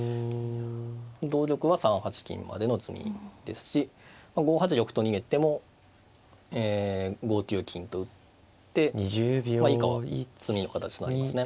同玉は３八金までの詰みですし５八玉と逃げてもえ５九金と打ってまあ以下は詰みの形となりますね。